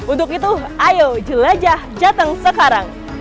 untuk itu ayo jelajah jateng sekarang